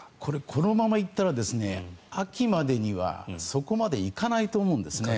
このまま行ったら秋までにはそこまで行かないと思うんですね。